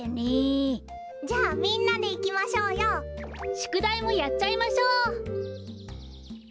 しゅくだいもやっちゃいましょう！